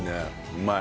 うまい。